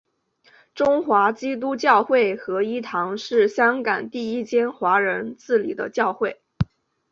中华基督教会合一堂是香港第一间华人自理的教会。